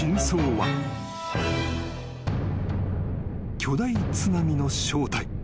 ［巨大津波の正体。